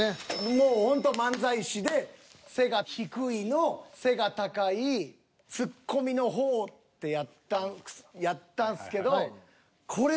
もうほんと漫才師で背が低いの背が高いツッコミの方ってやったんですけど。